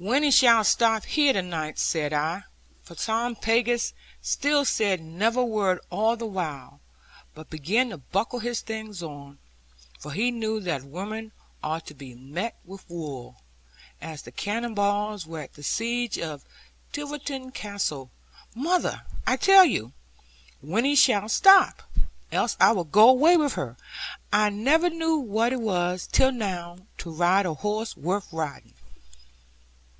'Winnie shall stop here to night,' said I, for Tom Faggus still said never a word all the while; but began to buckle his things on, for he knew that women are to be met with wool, as the cannon balls were at the siege of Tiverton Castle; 'mother, I tell you, Winnie shall stop; else I will go away with her, I never knew what it was, till now, to ride a horse worth riding.'